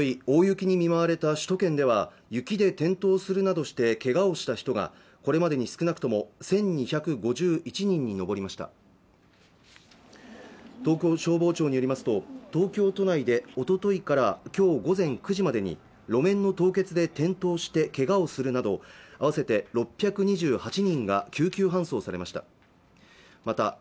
大雪に見舞われた首都圏では雪で転倒するなどしてけがをした人がこれまでに少なくとも１２５１人に上りました東京消防庁によりますと東京都内でおとといからきょう午前９時までに路面の凍結で転倒してけがをするなど合わせて６２８人が救急搬送されました